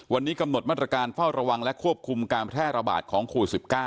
วันนี้กำหนดมาตรการเฝ้าระวังและควบคุมการแพร่ระบาดของโควิด๑๙